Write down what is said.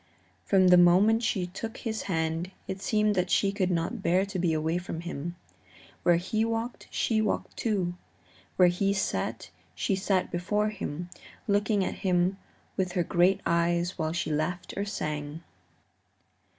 From the moment she took his hand it seemed that she could not bear to be away from him. Where he walked, she walked too; where he sat she sat before him, looking at him with her great eyes while she laughed or sang.